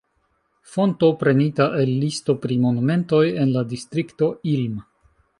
Fonto prenita el listo pri monumentoj en la Distrikto Ilm.